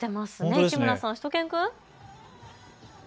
市村さん、しゅと犬くん。